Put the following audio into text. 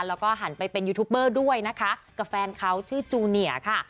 แล้วก็หันไปเป็นยูทูปเบอร์ด้วยนะคะกับแฟนเขาชื่อจูเนียค่ะ